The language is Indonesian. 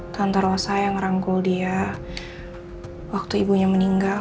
tante rosa yang merangkul dia waktu ibunya meninggal